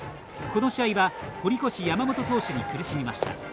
この試合は堀越・山本投手に苦しみました。